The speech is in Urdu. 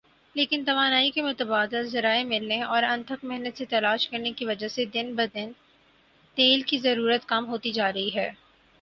لیکن توانائی کے متبادل ذرائع ملنے اور انتھک محنت سے تلاش کرنے کی وجہ سے دن بدن تیل کی ضرورت کم ہوتی جارہی ھے